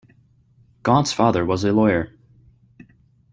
Gaunt's father was a lawyer.